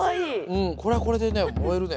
うんこれはこれで萌えるね。